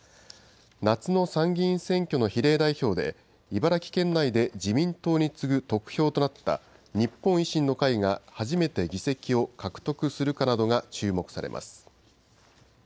夏の参議院選挙の比例代表で茨城県内で自民党に次ぐ得票となった日本維新の会が初めて議席を獲得するかなどが注目されます。